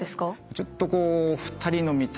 ちょっとこう。